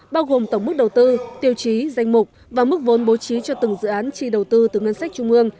bao gồm tổng mức đầu tư tiêu chí danh mục và mức vốn bố trí cho từng dự án chi đầu tư từ ngân sách trung ương